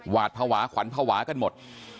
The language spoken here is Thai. หวาดภาวะขวัญภาวะกันหมด